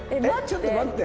ちょっと待って。